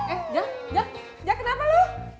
eh jak jak jak kenapa lu